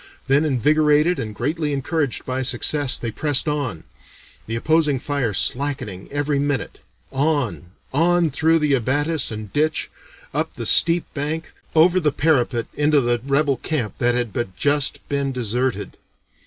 Then, invigorated and greatly encouraged by success, they pressed on the opposing fire slackening every minute, on, on, through the abatis and ditch, up the steep bank, over the parapet into the rebel camp that had but just been deserted.